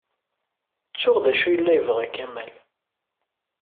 Ttuɣ d acu ay yella yebɣa Kamal.